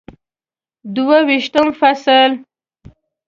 دوه ویشتم فصل